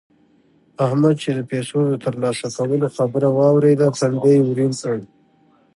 احمد چې د پيسو د تر لاسه کولو خبره واورېده؛ تندی يې ورين کړ.